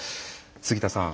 杉田さん